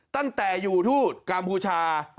ตั้งแต่อยู่ทูตกัมพูชา